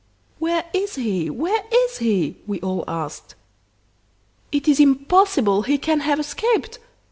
'Where is he where is he?' we all asked. "'It is impossible he can have escaped!